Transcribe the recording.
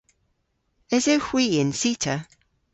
Esewgh hwi y'n cita?